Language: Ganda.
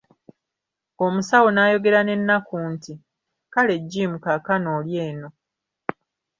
Omusawo n'ayogera n'ennaku nti " Kale Jim kaakano oli eno.